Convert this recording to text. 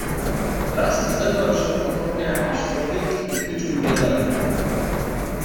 "Raz zerwał się od ognia jakiś człowiek i chwycił mnie za rękaw."